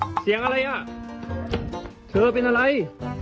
เสียงอะไรอ่ะเธอเป็นอะไร